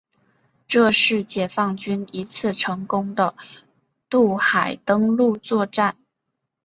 这是解放军一次成功的渡海登陆作战。